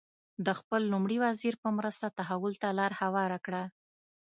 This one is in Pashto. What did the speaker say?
د خپل لومړي وزیر په مرسته تحول ته لار هواره کړه.